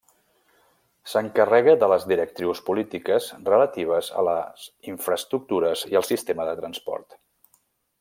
S'encarrega de les directrius polítiques relatives a les infraestructures i el sistema de transport.